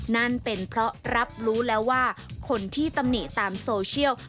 นั่นเป็นเพราะรับรู้แล้วว่าคนที่ตำหนิตามโซเชียล